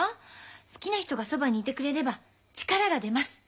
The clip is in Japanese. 好きな人がそばにいてくれれば力が出ます。